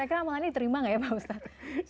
kira kira amalannya diterima gak ya pak ustadz